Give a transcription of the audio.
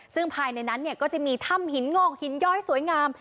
ซึ่งภายในนั้นก็จะมีถ้ำหินงอกหินย้อยสวยงาม